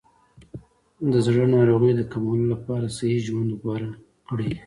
د زړه ناروغیو د کمولو لپاره صحي ژوند غوره کړئ.